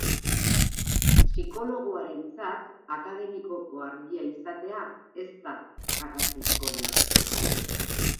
Psikologoarentzat akademikoko argia izatea ez da garrantzizkoena.